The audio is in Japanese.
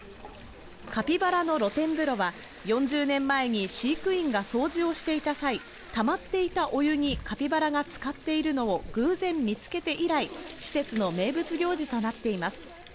カピバラの露天風呂は、４０年前に飼育員が掃除をしていた際、たまっていたお湯にカピバラがつかっているのを偶然見つけて以来、施設の名物行事となっています。